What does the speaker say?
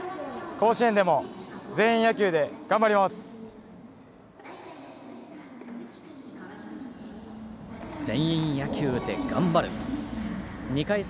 甲子園でも全員野球で頑張ります。